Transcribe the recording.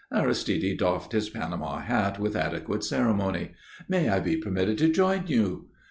Aristide doffed his Panama hat with adequate ceremony. "May I be permitted to join you?"